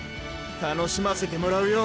楽しませてもらうよ！